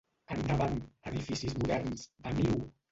Endavant, edificis moderns, veniu!